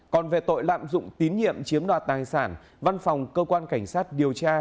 còn về tội lạm dụng tín nhiệm chiếm đoạt tài sản văn phòng cơ quan cảnh sát điều tra